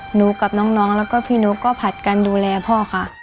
หนูกับน้องแล้วก็พี่นุ๊กก็ผัดกันดูแลพ่อค่ะ